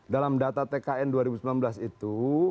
dalam data tkn dua ribu sembilan belas itu